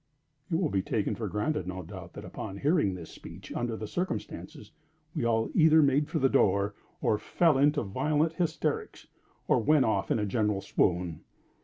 It will be taken for granted, no doubt, that upon hearing this speech under the circumstances, we all either made for the door, or fell into violent hysterics, or went off in a general swoon.